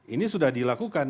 ini sudah dilakukan